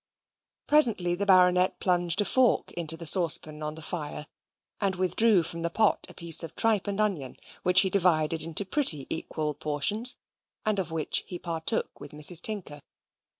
Presently the baronet plunged a fork into the saucepan on the fire, and withdrew from the pot a piece of tripe and an onion, which he divided into pretty equal portions, and of which he partook with Mrs. Tinker.